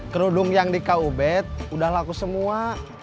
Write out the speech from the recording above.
kerudung yang di kubet udah laku semua